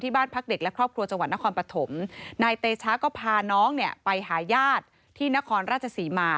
บ้านพักเด็กและครอบครัวจังหวัดนครปฐมนายเตชะก็พาน้องเนี่ยไปหาญาติที่นครราชศรีมา